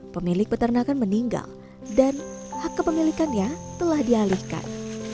pemilik peternakan meninggal dan hak kepemilikannya telah dialihkan